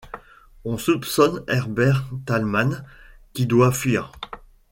On soupçonne Herbert Thalmann, qui doit fuir.